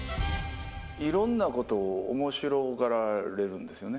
いろんなことをおもしろがられるんですよね。